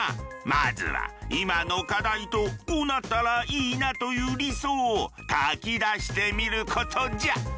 まずは今の課題とこうなったらいいなという理想を書き出してみることじゃ。